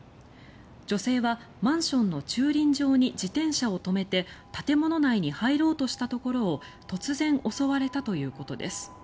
女性はマンションの駐輪場に自転車を止めて建物内に入ろうとしたところを突然、襲われたということです。